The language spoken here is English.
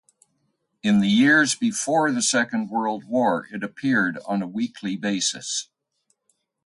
In the years before the Second World War it appeared on a weekly basis.